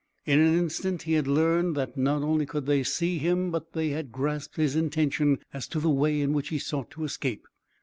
In an instant he had learned that not only could they see him but they had grasped his intention as to the way in which he sought to escape.